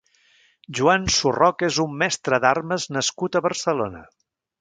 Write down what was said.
Joan Surroca és un mestre d'armes nascut a Barcelona.